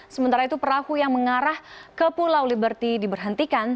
sementara itu perahu yang mengarah ke pulau liberty diberhentikan